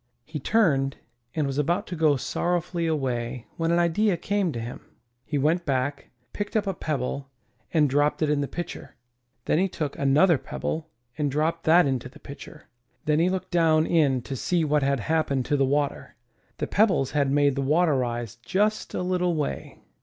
He turned and was about to go sorrowfully away when an idea came to him. He went back, picked up 130 IN THE NURSERY a pebble and dropped it in the pitcher; then he took another pebble and dropped that into the pitcher. Then he looked down in to see what had happened to the water. The pebbles had made the water rise just a little way.